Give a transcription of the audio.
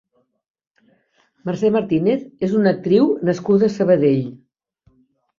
Mercè Martínez és una actriu nascuda a Sabadell.